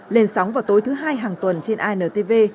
lên sóng vào tối thứ hai hàng tuần trên intv